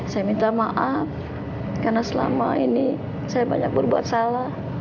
saya minta maaf karena selama ini saya banyak berbuat salah